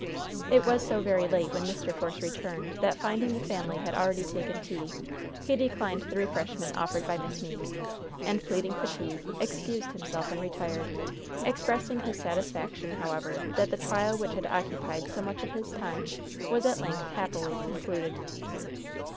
It was so very late when Mr. Force returned that, finding the family had already taken tea, he declined the refreshment offered by Miss Meeke, and pleading fatigue, excused himself and retired, expressing his satisfaction, however, that the trial which had occupied so much of his time was at length happily concluded.